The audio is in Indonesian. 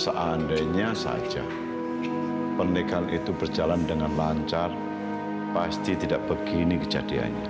seandainya saja pernikahan itu berjalan dengan lancar pasti tidak begini kejadiannya